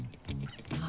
あ。